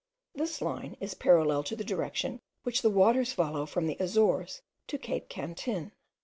This line is parallel to the direction which the waters follow from the Azores to Cape Cantin.